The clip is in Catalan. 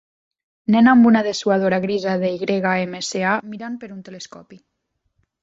Nena amb una dessuadora grisa de YMCA mirant per un telescopi.